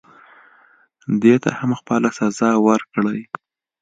دې ته هم خپله سزا ورکړئ.